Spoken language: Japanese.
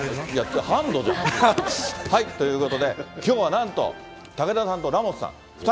ハンドじゃん。ということで、きょうはなんと、武田さんとラモスさん、２人。